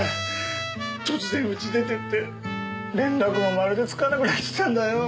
突然家出てって連絡もまるでつかなくなっちゃったんだよ。